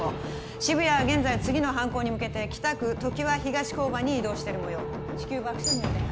渋谷は現在次の犯行に向けて北区ときわ東交番に移動してるもよう至急爆処理の手配